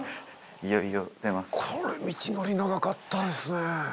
これ道のり長かったですね。